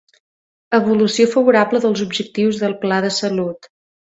Evolució favorable dels objectius del Pla de salut.